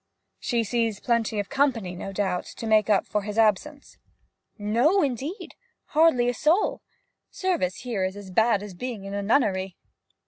'She sees plenty of company, no doubt, to make up for his absence?' 'No, indeed hardly a soul. Service here is as bad as being in a nunnery.'